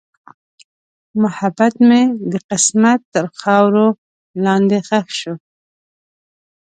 محبت مې د قسمت تر خاورو لاندې ښخ شو.